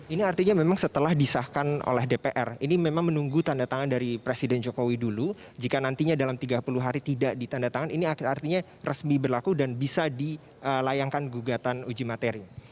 ini artinya memang setelah disahkan oleh dpr ini memang menunggu tanda tangan dari presiden jokowi dulu jika nantinya dalam tiga puluh hari tidak ditandatangan ini artinya resmi berlaku dan bisa dilayangkan gugatan uji materi